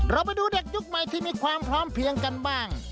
เราไปดูเด็กยุคใหม่ที่มีความพร้อมเพียงกันบ้าง